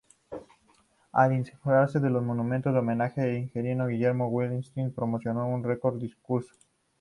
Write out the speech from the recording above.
Al inaugurarse el monumento en homenaje al ingeniero Guillermo Wheelwright, pronunció un recordado discurso.